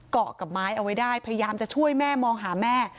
เกาะกับไม้เอาไว้ได้พยายามจะช่วยแม่มองหาแม่